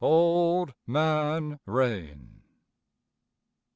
Old Man Rain.